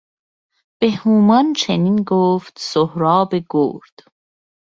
به هومان چنین گفت سهراب گرد...